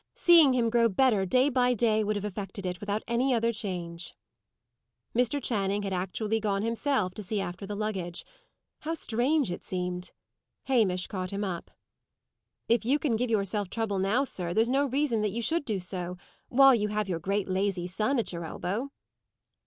Seeing him grow better day by day would have effected it, without any other change." Mr. Channing had actually gone himself to see after the luggage. How strange it seemed! Hamish caught him up. "If you can give yourself trouble now, sir, there's no reason that you should do so, while you have your great lazy son at your elbow."